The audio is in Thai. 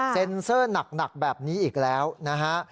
เซ็นเซอร์หนักแบบนี้อีกแล้วนะฮะ